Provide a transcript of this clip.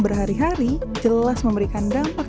berhari hari jelas memberikan dampak